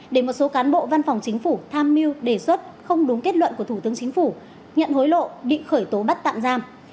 để một số cán bộ văn phòng chính phủ tham mưu đề xuất không đúng kết luận của thủ tướng chính phủ nhận hối lộ bị khởi tố bắt tạm giam